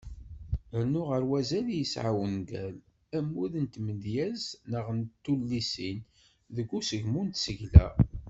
Rnu ɣer wazal i yesεa wungal, ammud n tmedyezt neɣ n tullisin, deg usegmu n tsekla.